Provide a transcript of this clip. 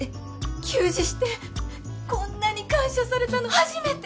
給仕してこんなに感謝されたの初めて！